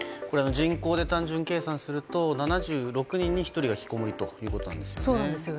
人口で単純計算すると７６人に１人がひきこもりということなんですよね。